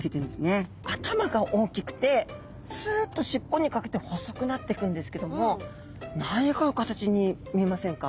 頭が大きくてスッと尻尾にかけて細くなってくんですけども何かの形に見えませんか？